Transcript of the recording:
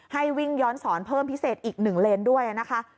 ให้วิ่งย้อนสอนเพิ่มพิเศษอีก๑เลนด้วยนะคะ